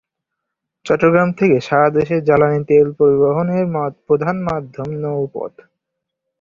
চট্টগ্রাম থেকে সারাদেশে জ্বালানি তেল পরিবহনের প্রধান মাধ্যম নৌপথ।